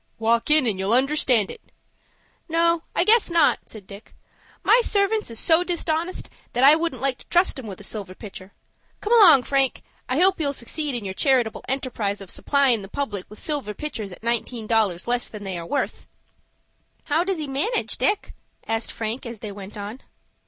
"Walk in, and you'll understand it." "No, I guess not," said Dick. "My servants is so dishonest that I wouldn't like to trust 'em with a silver pitcher. Come along, Frank. I hope you'll succeed in your charitable enterprise of supplyin' the public with silver pitchers at nineteen dollars less than they are worth." "How does he manage, Dick?" asked Frank, as they went on.